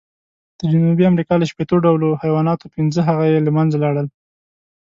د جنوبي امریکا له شپېتو ډولو حیواناتو، پینځه هغه یې له منځه لاړل.